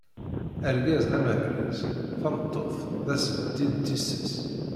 Argaz d amehraz, tameṭṭut d asbeddi n tissas.